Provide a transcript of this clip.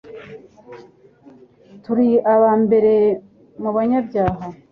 turi aba mbere mu banyabyaha.